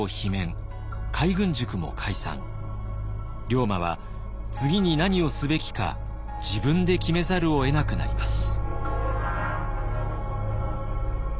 龍馬は次に何をすべきか自分で決めざるをえなくなります。